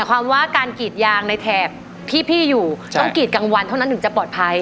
ความว่าการกรีดยางในแถบที่พี่อยู่ต้องกรีดกลางวันเท่านั้นถึงจะปลอดภัย